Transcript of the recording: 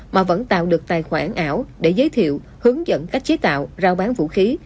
mà vẫn tạo được tài khoản ảo để giới thiệu hướng dẫn cách chế tạo rao bán vũ khí